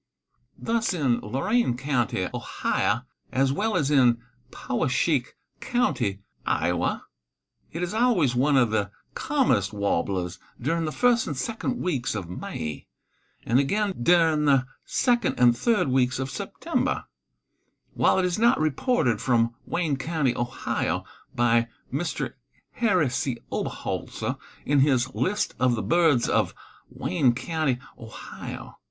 Thus, in Lorain county, Ohio, as well as in Poweshiek county, Iowa, it is always one of the commonest warblers during the first and second weeks of May, and again during the second and third weeks of September, while it is not reported from Wayne county, Ohio, by Mr. Harry C. Oberholser in his "List of the Birds of Wayne county, Ohio."